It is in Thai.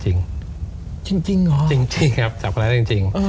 จริงเหรอจริงครับจับคนร้ายได้จริง